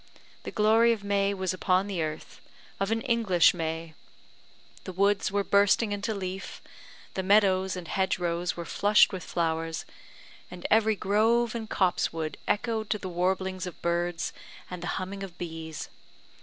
The glory of May was upon the earth of an English May. The woods were bursting into leaf, the meadows and hedge rows were flushed with flowers, and every grove and copsewood echoed to the warblings of birds and the humming of bees.